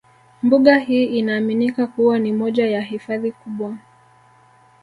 Mbuga hii inaaminika kuwa ni moja ya hifadhi kubwa